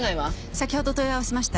先ほど問い合わせました。